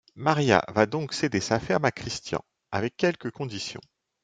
Maria va donc céder sa ferme à Christian, avec quelques conditions.